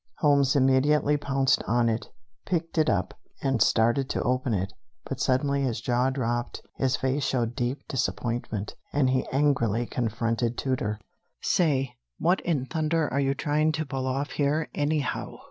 Holmes immediately pounced on it, picked it up, and started to open it, but suddenly his jaw dropped, his face showed deep disappointment, and he angrily confronted Tooter. "Say, what in thunder are you trying to pull off here, anyhow?